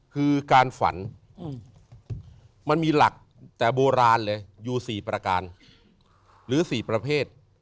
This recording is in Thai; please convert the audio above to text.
คือการฝันมันมีหลักแต่โบราณเลยอยู่๔ประการหรือ๔ประเภท